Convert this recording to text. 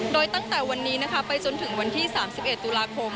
โดยตั้งแต่วันนี้นะคะไปจนถึงวันที่๓๑ตุลาคม